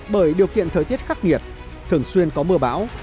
bởi điều kiện thời tiết khắc nghiệt thường xuyên có mưa bão